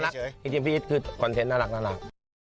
จริงพี่อีทคือคอนเทนต์น่ารักน่ารัก